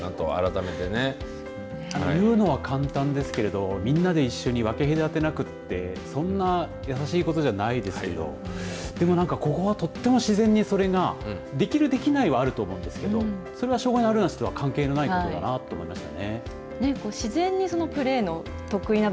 言うのは簡単ですけどみんなで一緒に分け隔てなくってそんなにやさしいことじゃないですけどでもここは、とっても自然にそれができる、できないはあると思うんですけど障害があるなしとは関係ないことだなと思いました。